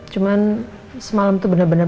cuman semalam itu benar benar